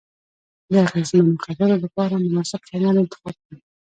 د اغیزمنو خبرو لپاره مناسب چینل انتخاب کړئ.